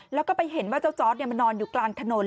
แล้วก็ไปเห็นว่าเจ้าจอร์ดมานอนอยู่กลางถนน